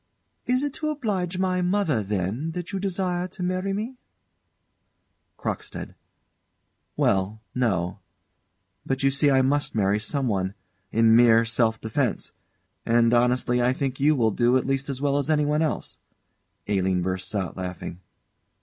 _] Is it to oblige my mother, then, that you desire to marry me? CROCKSTEAD. Well, no. But you see I must marry some one, in mere self defence; and honestly, I think you will do at least as well as any one else. [ALINE _bursts out laughing.